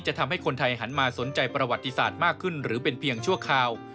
ทำให้คนไทยหันมาสนใจประวัติศาสตร์มากขึ้นหรือเป็นเพียงชั่วคราว